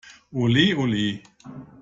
Olé, olé!